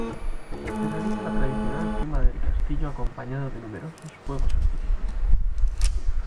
Se realiza la tradicional quema del castillo acompañado de numerosos fuegos artificiales.